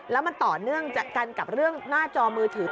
แล้วมันต่อเนื่องกันกับเรื่องหน้าจอมือถือ